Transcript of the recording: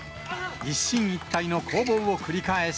一進一退の攻防を繰り返し。